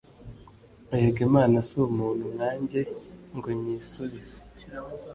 erega imana si umuntu nkanjye ngo nyisubize